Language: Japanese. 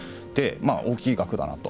大きい額だなと。